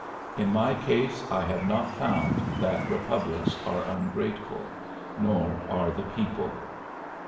In my case I have not found that republics are ungrateful, nor are the people."